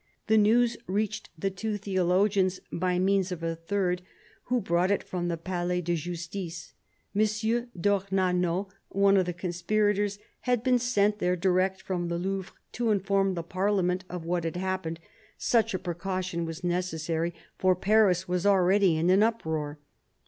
The news reached the two theologians by means of a third, who brought it from the Palais de Justice. M. d'Ornano, one of the conspirators, had been sent there direct from the Louvre to inform the Parliament of what had happened : such a precaution was necessary, for Paris was already in an uproar.